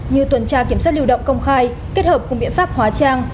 như tuần tra kiểm soát lưu động công khai kết hợp cùng biện pháp hóa trang